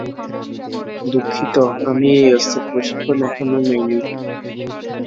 দুঃখিত, আমি এই অস্ত্রের প্রশিক্ষণ এখনও নেইনি।